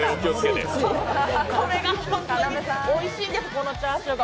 これが本当においしいんです、このチャーシューが。